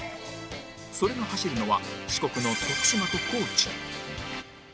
それが走るのは四国の徳島と高知